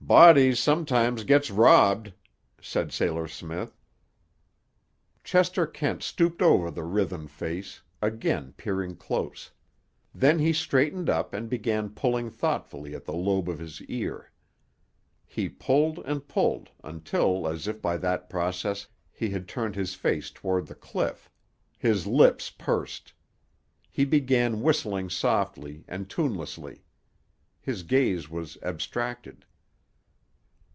"Bodies sometimes gets robbed," said Sailor Smith. Chester Kent stooped over the writhen face, again peering close. Then he straightened up and began pulling thoughtfully at the lobe of his ear. He pulled and pulled, until, as if by that process, he had turned his face toward the cliff. His lips pursed. He began whistling softly, and tunelessly. His gaze was abstracted.